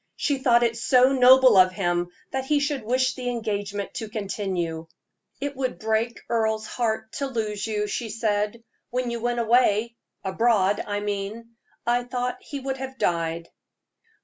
She thought it so noble of him that he should wish the engagement to continue. "It would break Earle's heart to lose you," she said. "When you went away abroad, I mean I thought he would have died."